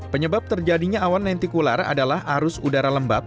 penyebab terjadinya awan lentikular adalah arus udara lembab